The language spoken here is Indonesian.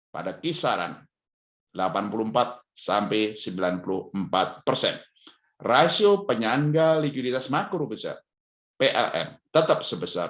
pada kisaran delapan puluh empat sampai sembilan puluh empat persen rasio penyangga likuiditas makro besar pln tetap sebesar